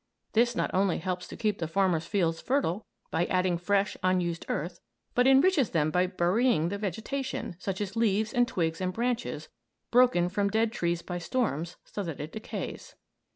This not only helps to keep the farmer's fields fertile by adding fresh, unused earth, but enriches them by burying the vegetation such as leaves and twigs and branches broken from dead trees by storms so that it decays.